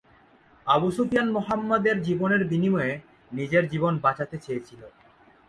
Abu Sufyan মুহাম্মদের জীবনের বিনিময়ে নিজের জীবন বাঁচাতে চেয়েছিল।